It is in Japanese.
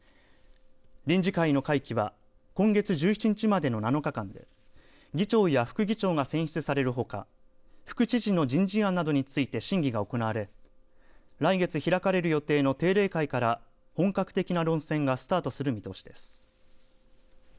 臨時会の会期は今月１７日までの７日間で議長や副議長が選出されるほか副知事の人事案などについて審議が行われ来月開かれる予定の定例会から本格的な論戦がスタートする見通しです。